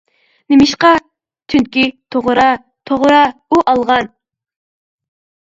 -نېمىشقا؟ -چۈنكى. توغرا، توغرا، ئۇ ئالغان.